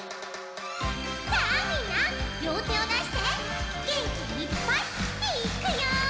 さあみんなりょうてをだしてげんきいっぱいいっくよ！